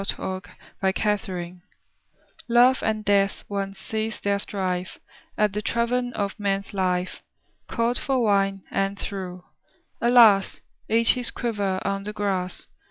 THE EXPLANATION Love and Death once ceased their strife At the Tavern of Man's Life. Called for wine, and threw — alas! — Each his quiver on the grass.